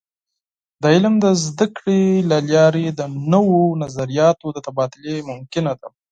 د علم د زده کړې له لارې د نوو نظریاتو د تبادلې ممکنه ده.